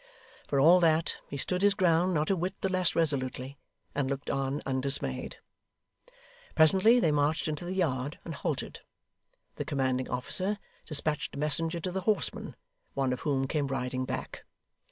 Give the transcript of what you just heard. For all that, he stood his ground not a whit the less resolutely, and looked on undismayed. Presently, they marched into the yard, and halted. The commanding officer despatched a messenger to the horsemen, one of whom came riding back.